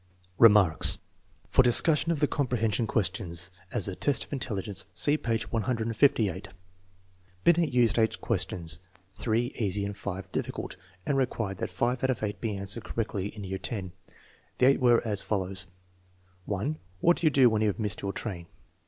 Remarks. For discussion of the comprehension ques tions as a test of intelligence, see page 158. Binet used eight questions, three " easy " and five " dif ficult," and required that five out of eight be answered cor rectly in year X. The eight were as follows: (1) What to do when you have missed your train.